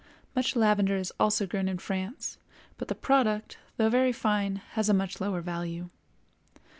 Much lavender is also grown in France, but the product, though very fine, has a much lower value.